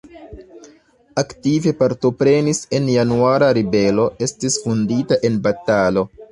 Aktive partoprenis en Januara ribelo, estis vundita en batalo.